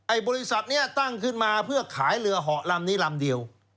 บริษัทนี้ตั้งขึ้นมาเพื่อขายเรือเหาะลำนี้ลำเดียว